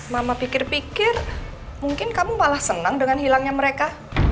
mama pikir pikir mungkin kamu malah senang dengan hilangnya mereka